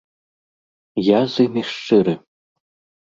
Я з імі шчыры.